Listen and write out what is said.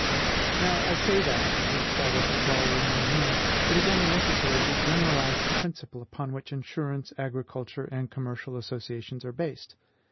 Now I say that, to establish equality among men, it is only necessary to generalize the principle upon which insurance, agricultural, and commercial associations are based.